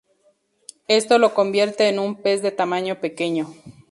Esto lo convierte en un pez de tamaño pequeño.